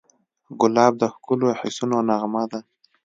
ګلاب د ښکلو حسونو نغمه ده.